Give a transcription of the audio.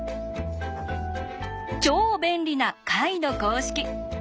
超便利な解の公式。